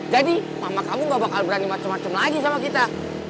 jadi mama kamu gak bakal berani macem macem lagi sama kita